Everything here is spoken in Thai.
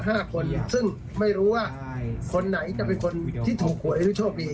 ห้าคนซึ่งไม่รู้ว่าคนไหนจะเป็นคนที่ถูกหัวในทุกช่วงปี